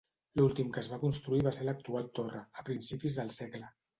L'últim que es va construir va ser l'actual torre, a principis del segle.